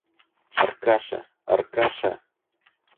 Аркаша! Аркаша!